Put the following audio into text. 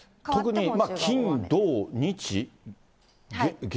特に金、土、日、月？